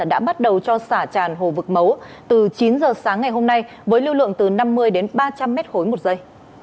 đã bắt đầu cho xả tràn hồ vực mấu từ chín giờ sáng ngày hôm nay với lưu lượng từ năm mươi đến ba trăm linh mét khối một giây